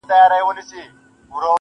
فريادي داده محبت کار په سلگيو نه سي.